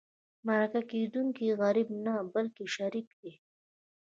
مرکه کېدونکی غریب نه بلکې شریك دی.